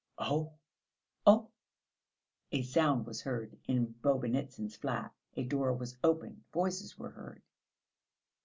"Oh!" "Oh!" A sound was heard in Bobynitsyn's flat. A door was opened, voices were heard.